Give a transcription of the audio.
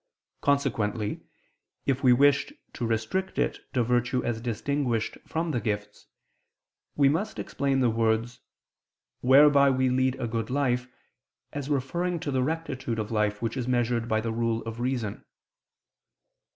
Consequently, if we wish to restrict it to virtue as distinguished from the gifts, we must explain the words, "whereby we lead a good life" as referring to the rectitude of life which is measured by the rule of reason.